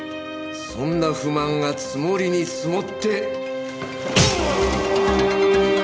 そんな不満が積もりに積もって。